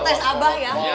lo tes abah ya